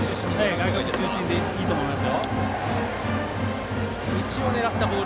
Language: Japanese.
外角中心でいいと思います。